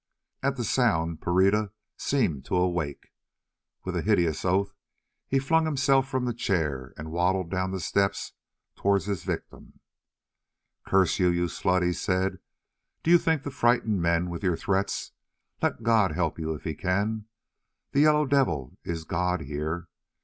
At the sound Pereira seemed to awake. With a hideous oath he flung himself from the chair and waddled down the steps towards his victim. "Curse you, you slut!" he said, "do you think to frighten men with your threats? Let God help you if He can. The Yellow Devil is god here.